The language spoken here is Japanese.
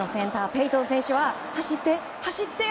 ペイトン選手は走って、走って。